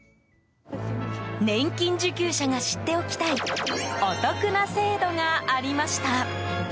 年金受給者が知っておきたいお得な制度がありました。